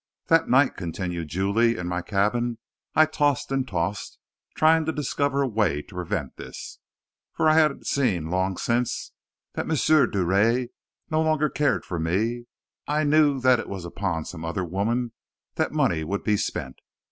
"That night," continued Julie, "in my cabin, I tossed and tossed, trying to discover a way to prevent this; for I had seen long since that M. Drouet no longer cared for me I knew that it was upon some other woman that money would be spent.